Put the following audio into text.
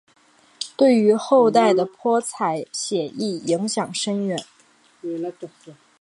对于后代的泼彩写意影响深远。